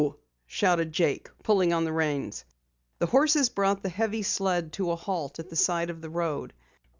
shouted Jake, pulling on the reins. The horses brought the heavy sled to a halt at the side of the road.